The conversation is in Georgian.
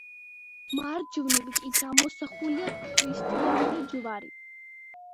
მარჯვნივ კი გამოსახულია ქრისტიანული ჯვარი.